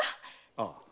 ああ。